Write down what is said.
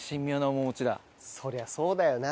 そりゃそうだよな。